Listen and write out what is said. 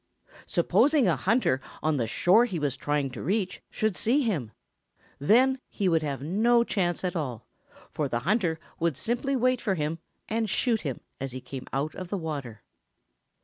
Supposing a hunter on the shore he was trying to reach should see him. Then he would have no chance at all, for the hunter would simply wait for him and shoot him as he came out of the water.